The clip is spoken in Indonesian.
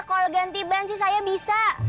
kalau ganti ban sih saya bisa